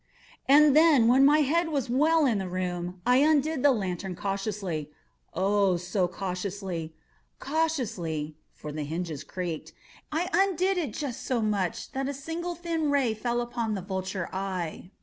And then, when my head was well in the room, I undid the lantern cautiously—oh, so cautiously—cautiously (for the hinges creaked)—I undid it just so much that a single thin ray fell upon the vulture eye.